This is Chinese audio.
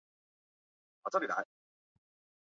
以生产香槟酒最为知名。